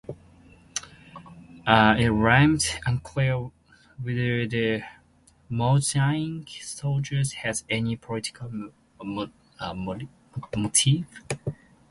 It remained unclear whether the mutinying soldiers had any political motives.